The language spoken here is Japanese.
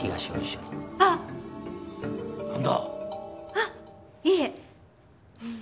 あいいえ。